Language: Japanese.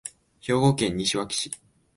兵庫県西脇市